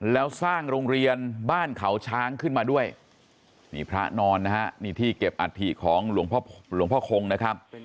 แล้วสร้างโรงเรียนบ้านเขาช้างขึ้นมาด้วยนี่พระนอนนะฮะนี่ที่เก็บอัฐิของหลวงพ่อหลวงพ่อคงนะครับ